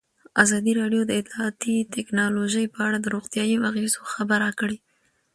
ازادي راډیو د اطلاعاتی تکنالوژي په اړه د روغتیایي اغېزو خبره کړې.